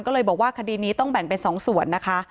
ก็เลยบอกว่าคดีนี้ต้องแบ่งเป็น๒ส่วนนะคะ